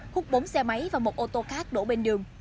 hút bốn xe máy và một ô tô khác đổ bên đường